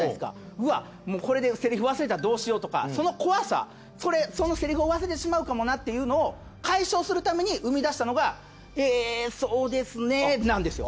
うわこれでセリフ忘れたらどうしようとかその怖さそのセリフを忘れてしまうかもなっていうのを解消するために生み出したのがえそうですねなんですよ。